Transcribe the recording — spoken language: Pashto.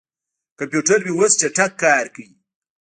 کمپیوټر مې اوس چټک کار کوي.